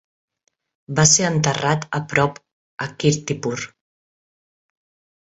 Va ser enterrat a prop a Kirtipur.